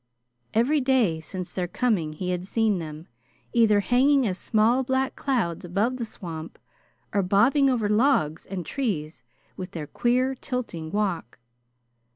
Every day since their coming he had seen them, either hanging as small, black clouds above the swamp or bobbing over logs and trees with their queer, tilting walk.